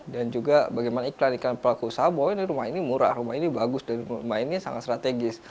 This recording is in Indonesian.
dan juga bagaimana iklan pelaku usaha bahwa ini rumah ini murah rumah ini bagus dan rumah ini sangat strategis